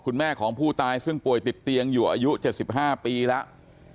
คุณแม่ของผู้ตายซึ่งป่วยติดเตียงอยู่อายุ๗๕ปีแล้ว